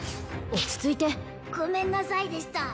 落ち着いてごめんなさいでした